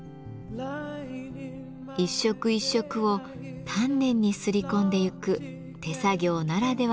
一色一色を丹念に刷り込んでゆく手作業ならではの風合いです。